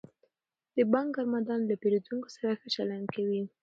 د بانک کارمندان له پیرودونکو سره ښه چلند کوي.